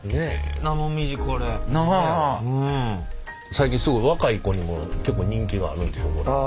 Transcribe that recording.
最近すごい若い子にも結構人気があるということで。